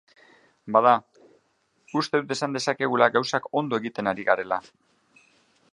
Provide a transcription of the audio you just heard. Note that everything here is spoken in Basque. Bada, uste dut esan dezakegula gauzak ondo egiten ari garela.